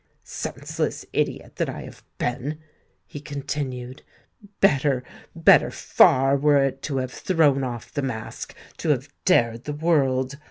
"Senseless idiot that I have been!" he continued. "Better—better far were it to have thrown off the mask—to have dared the world!